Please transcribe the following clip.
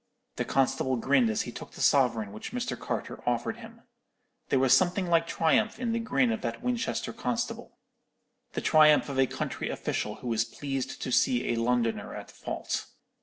"The constable grinned as he took the sovereign which Mr. Carter offered him. There was something like triumph in the grin of that Winchester constable—the triumph of a country official who was pleased to see a Londoner at fault.